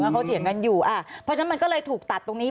เพราะฉะนั้นมันก็เลยถูกตัดตรงนี้